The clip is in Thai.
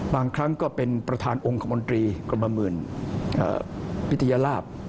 ครั้งก็เป็นประธานองค์คมนตรีกรมหมื่นพิทยาลาภ